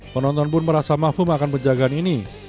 penonton pun merasa mafum akan penjagaan ini